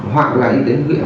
hoặc là y tế huyện